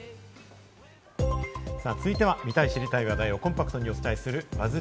続いては、見たい知りたい話題をコンパクトにお伝えするＢＵＺＺ